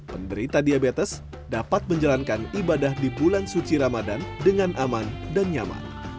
penderita diabetes dapat menjalankan ibadah di bulan suci ramadan dengan aman dan nyaman